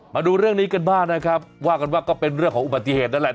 มาดูเรื่องนี้กันบ้างนะครับว่ากันว่าก็เป็นเรื่องของอุบัติเหตุนั่นแหละ